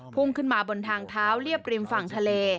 พุ่งขึ้นมาบนทางเท้าเรียบริมฝั่งทะเล